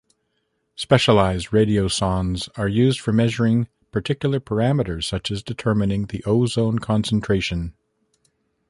Specialized radiosondes are used for measuring particular parameters, such as determining the ozone concentration.